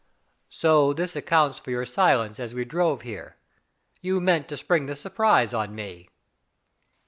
"So this accounts for your silence as we drove here. You meant to spring this surprise on me."